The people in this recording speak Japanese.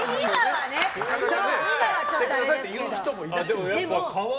今はちょっとあれですけど。